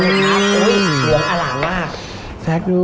เนื้ออร่านมาก